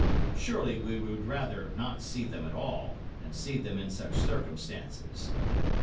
Surely we would rather not see them at all, than see them in such circumstances.